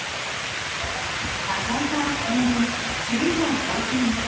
火災から３年、首里城再建へ。